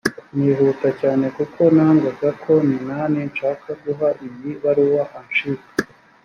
nihuta cyane kuko nangaga ko minani nshaka guha iyi baruwa anshika